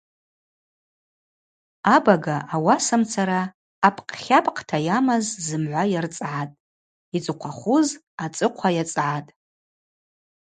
Абага ауасамцара ъапкъ-тлапӏкъта йамаз зымгӏва йырцӏгӏатӏ, йцӏыхъвахуз ацӏыхъва йацӏгӏатӏ.